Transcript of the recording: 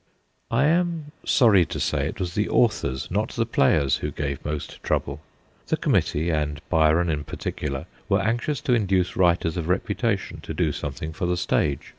I am sorry to say it was the authors, not the players, who gave most trouble. The Committee, and Byron in particular, were anxious to induce writers of reputation to do something for the stage.